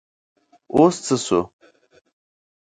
اوس څه شو ؟